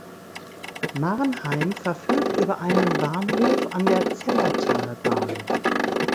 Marnheim verfügt über einen Bahnhof an der Zellertalbahn.